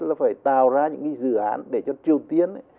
là phải tạo ra những cái dự án để cho triều tiên